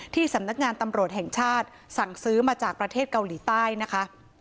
สำนักงานตำรวจแห่งชาติสั่งซื้อมาจากประเทศเกาหลีใต้นะคะ